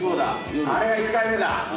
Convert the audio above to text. あれが１回目だ。